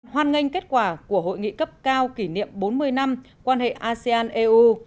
hoan nghênh kết quả của hội nghị cấp cao kỷ niệm bốn mươi năm quan hệ asean eu